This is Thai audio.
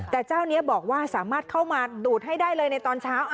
แต่เจ้านี้บอกว่าสามารถเข้ามาดูดให้ได้เลยในตอนเช้า